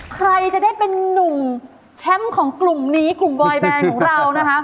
ใครจะได้เป็นนุ่มแชมป์ของกลุ่มนี้กลุ่มบอยแบนของเรานะคะ